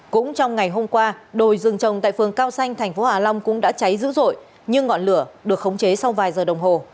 cũng trong ngày hôm qua đồi rừng trồng tại phường cao xanh thành phố hạ long cũng đã cháy dữ dội nhưng ngọn lửa được khống chế sau vài giờ đồng hồ